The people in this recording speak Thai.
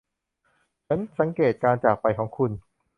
ฉันสังเกตุการจากไปของคุณ